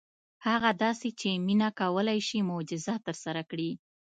هغه داسې چې مينه کولی شي معجزه ترسره کړي.